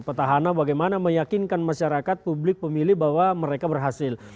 petahana bagaimana meyakinkan masyarakat publik pemilih bahwa mereka berhasil